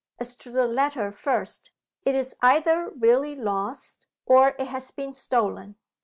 As to the letter first. It is either really lost, or it has been stolen.